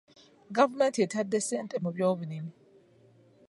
Gavumenti etadde ssente mu byobulimi.